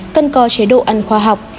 hai cần có chế độ ăn khoa học